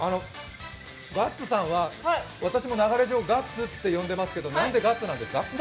ガッツさんは私も流れ上、ガッツと呼んですがなんでガッツなんですか？